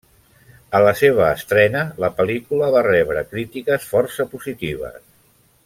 A la seva estrena, la pel·lícula va rebre crítiques força positives.